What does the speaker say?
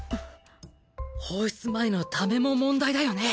放出前の溜めも問題だよね。